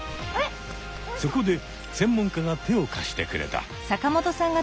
そこで専門家が手をかしてくれた。